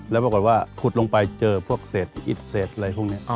แล้วปรากฏว่าขุดลงไปเจอพวกเศษอิดเศษอะไรพวกนี้